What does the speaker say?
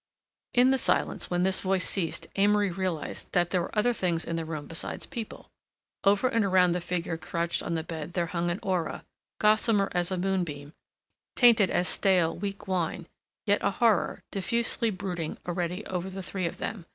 In the silence when this voice ceased Amory realized that there were other things in the room besides people... over and around the figure crouched on the bed there hung an aura, gossamer as a moonbeam, tainted as stale, weak wine, yet a horror, diffusively brooding already over the three of them...